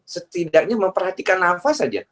setidaknya memperhatikan nafas saja